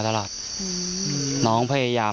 อ๋อแล้วทำไมถงมาหาอีกอ่ะครับ